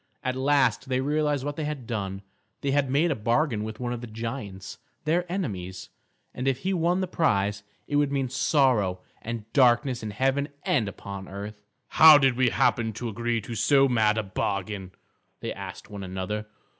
At last they realised what they had done; they had made a bargain with one of the giants, their enemies; and if he won the prize, it would mean sorrow and darkness in heaven and upon earth. "How did we happen to agree to so mad a bargain?" they asked one another.